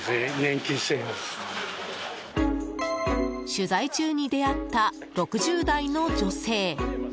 取材中に出会った６０代の女性。